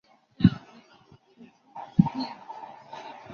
鼠男是水木茂在鬼太郎作品中最喜爱的角色。